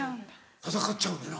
戦っちゃうんねな。